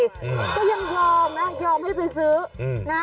ก็ยังยอมนะยอมให้ไปซื้อนะ